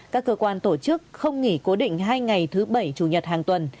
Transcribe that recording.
các cơ quan tổ chức không nghỉ cố định hai ngày thứ bảy chủ nhật hàng tuần